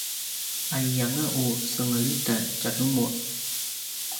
aiyanga u sengelitan tjanumun